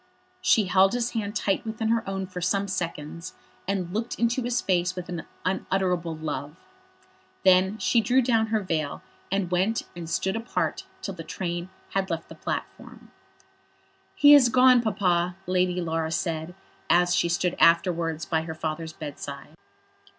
She held his hand tight within her own for some seconds, and looked into his face with an unutterable love. Then she drew down her veil, and went and stood apart till the train had left the platform. "He has gone, Papa," Lady Laura said, as she stood afterwards by her father's bedside.